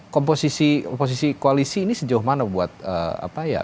komposisi koalisi ini sejauh mana buat apa ya